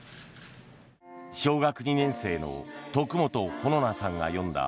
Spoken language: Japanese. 小学２年生の徳元穂菜さんがよんだ